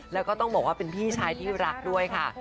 แล้วก็ต้องบอกว่าเป็นพี่ชายที่รักด้วยค่ะ